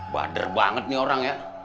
badar banget nih orang ya